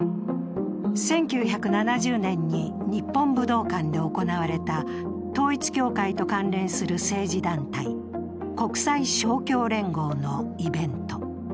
１９７０年に日本武道館で行われた統一教会と関連する政治団体、国際勝共連合のイベント。